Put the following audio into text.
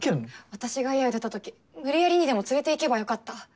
私が家を出たとき無理やりにでも連れていけばよかった。